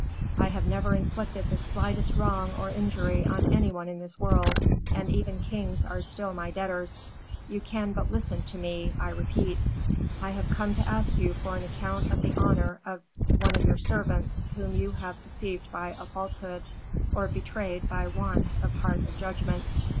I have never inflicted the slightest wrong or injury on any one in this world, and even kings are still my debtors. You can but listen to me, I repeat. I have come to ask you for an account of the honor of one of your servants whom you have deceived by a falsehood, or betrayed by want of heart of judgment.